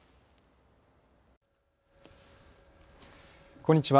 こんにちは。